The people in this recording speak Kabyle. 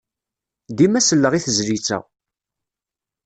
Dima selleɣ i tezlit-a.